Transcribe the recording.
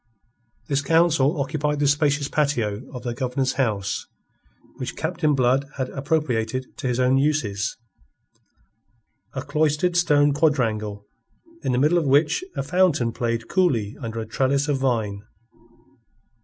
This council occupied the spacious patio of the Governor's house which Captain Blood had appropriated to his own uses a cloistered stone quadrangle in the middle of which a fountain played coolly under a trellis of vine.